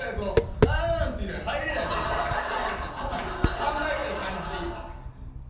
３枚ぐらいの感じで今。